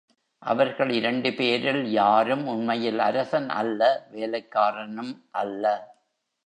அவர்கள் இரண்டு பேரில் யாரும் உண்மையில் அரசன் அல்ல வேலைக்காரனும் அல்ல.